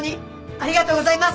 ありがとうございます！